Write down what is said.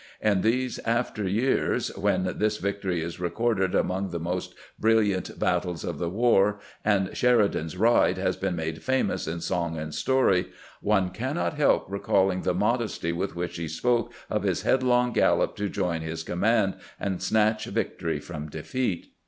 In these after years, when this victory is recorded among the most brilliant battles of the war, and " Sheridan's Eide " has been made famous in song and story, one cannot help recalling the modesty with which he spoke of his headlong gallop to join his com mand, and snatch victory from defeat.